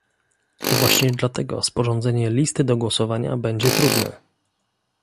Właśnie dlatego sporządzenie listy do głosowania będzie trudne